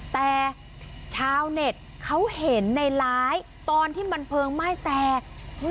แต่ชาวเน็ตเขาเห็นในไลฟ์ตอนที่มันเพลิงไหม้แตก